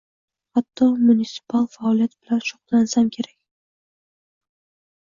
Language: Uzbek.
Hatto munisipal faoliyat bilan shug`ullansam kerak